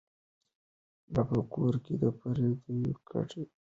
نه په کور کي د پردیو کډي پنډي